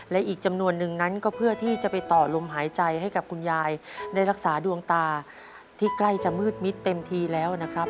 และอีกจำนวนนึงนั้นก็เพื่อที่จะไปต่อลมหายใจให้กับคุณยายได้รักษาดวงตาที่ใกล้จะมืดมิดเต็มทีแล้วนะครับ